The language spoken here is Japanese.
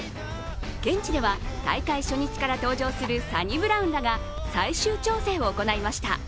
現地では大会初日から登場するサニブラウンらが最終調整を行いました。